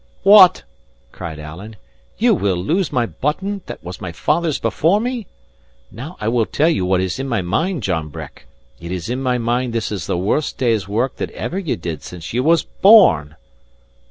"What!" cried Alan, "you will lose my button, that was my father's before me? Now I will tell you what is in my mind, John Breck: it is in my mind this is the worst day's work that ever ye did since ye was born."